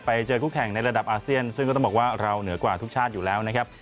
ไปเจอคู่แข่งในระดับอาเซียนซึ่งก็ต้องบอกว่าเราเหนือกว่าทุกชาติอยู่แล้วนะครับ